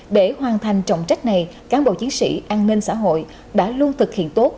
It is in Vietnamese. để hoàn thành trọng trách này cán bộ chiến sĩ an ninh xã hội đã luôn thực hiện tốt